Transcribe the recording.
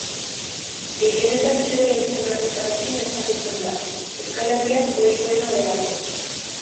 Gehienetan Txirla izen arruntarekin ezagutzen da, Euskal Herrian ohikoena delako.